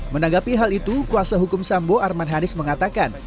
menanggapi hal itu kuasa hukum sambo arman hanis mengatakan